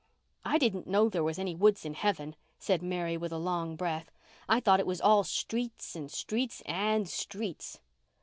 "I didn't know there was any woods in heaven," said Mary, with a long breath. "I thought it was all streets—and streets—and streets."